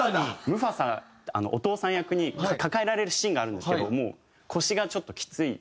ムファサお父さん役に抱えられるシーンがあるんですけどもう腰がちょっときつい。